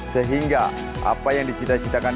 sehingga apa yang dicita citakan